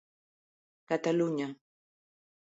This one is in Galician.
Cataluña.